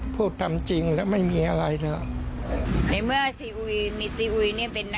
พูดทำจริงแล้วไม่มีอะไรเถอะในเมื่อซีอุยมีซีอุยเนี่ยเป็น